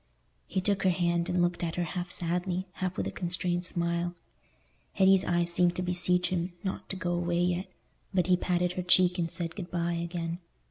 He took her hand, and looked at her half sadly, half with a constrained smile. Hetty's eyes seemed to beseech him not to go away yet; but he patted her cheek and said "Good bye" again.